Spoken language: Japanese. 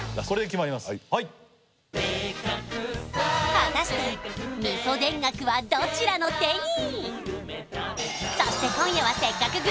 果たして味噌田楽はどちらの手に！？